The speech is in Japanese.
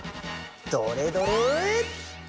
どれどれ？